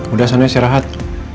udah sana istirahat